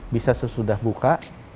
bisa sesudah buka